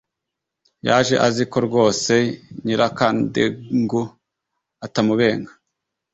yaje azi ko rwose nyirakandengu atamubenga.